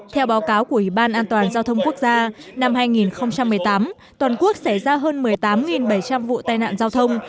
theo báo cáo của ủy ban an toàn giao thông quốc gia năm hai nghìn một mươi tám toàn quốc xảy ra hơn một mươi tám bảy trăm linh vụ tai nạn giao thông